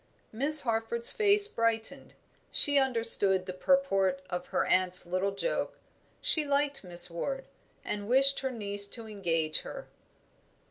Miss Harford's face brightened. She understood the purport of her aunt's little joke: she liked Miss Ward, and wished her niece to engage her.